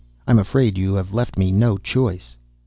I'm afraid you have left me no choice."